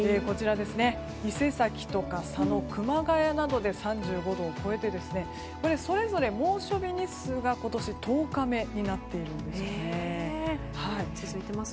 伊勢崎とか佐野熊谷などで３５度を超えてそれぞれ猛暑日日数が今年、１０日目になっています。